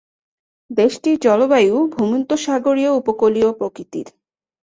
দেশটির জলবায়ু ভূমধ্যসাগরীয় উপকূলীয় প্রকৃতির।